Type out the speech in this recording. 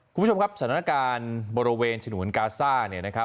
คุณผู้ชมครับสถานการณ์บริเวณสนุนกาซ่า